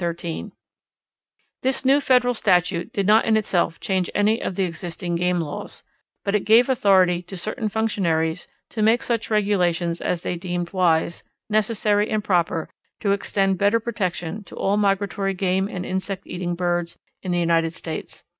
This new federal statute did not in itself change any of the existing game laws, but it gave authority to certain functionaries to make such regulations as they deemed wise, necessary, and proper to extend better protection to all migratory game and insect eating birds in the United States.